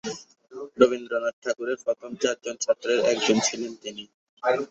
রবীন্দ্রনাথ ঠাকুরের প্রথম চারজন ছাত্রের একজন ছিলেন তিনি।